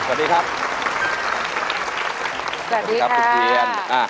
สวัสดีครับคุณเพียร